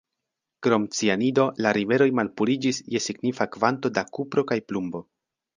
Krom cianido la riveroj malpuriĝis je signifa kvanto da kupro kaj plumbo.